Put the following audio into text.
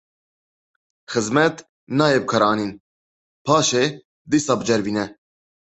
Xizmet nayê bikaranîn, paşê dîsa biceribîne.